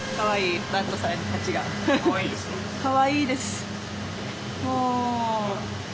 かわいいですか？